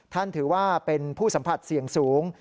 ถือว่าเป็นผู้สัมผัสเสี่ยงสูง